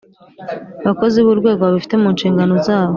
Bakozi B Urwego Babifite Mu Nshingano Zabo